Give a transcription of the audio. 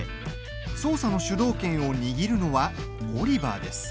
捜査の主導権を握るのはオリバーです。